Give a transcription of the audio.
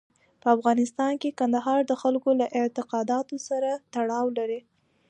په افغانستان کې کندهار د خلکو له اعتقاداتو سره تړاو لري.